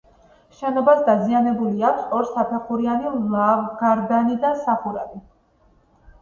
შენობას დაზიანებული აქვს ორსაფეხურიანი ლავგარდანი და სახურავი.